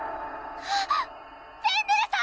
あっフェンネルさん！